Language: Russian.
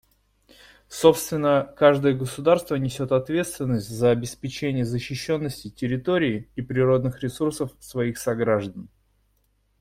Собственно, каждое государство несет ответственность за обеспечение защищенности территории и природных ресурсов своих сограждан.